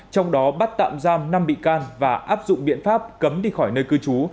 trong đó bắt tạm giam năm bị can và áp dụng biện pháp cấm đi khỏi nơi cư trú